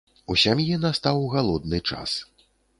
У сям'і настаў галодны час.